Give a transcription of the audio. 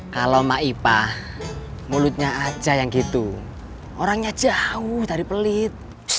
kalau maipah mulutnya aja yang gitu orangnya jauh dari pelit